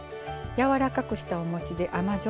やわらかくしたおもちで甘じょ